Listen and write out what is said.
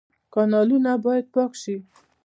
کانالونه باید پاک شي